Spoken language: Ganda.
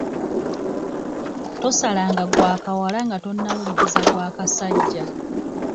Tosala nga gwa kawala nga tonnawuliriza gwA Kasajja .